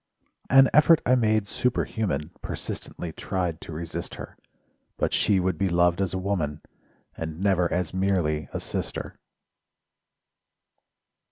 An effort I made superhuman— Persistently tried to resist her: But she would be loved as a woman, And never as merely a sister.